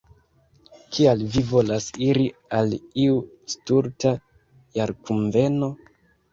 Kial vi volas iri al iu stulta jarkunveno?